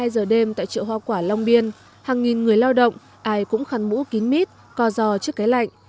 một mươi hai giờ đêm tại chợ hoa quả long biên hàng nghìn người lao động ai cũng khăn mũ kín mít co giò trước cái lạnh